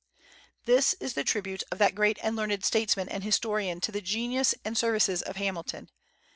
This is the tribute of that great and learned statesman and historian to the genius and services of Hamilton.